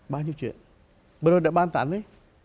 bao nhiêu chuyện bây giờ đã ban tán đấy